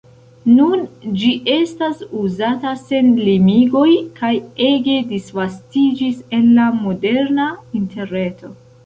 Nun ĝi estas uzata sen limigoj kaj ege disvastiĝis en la moderna Interreto.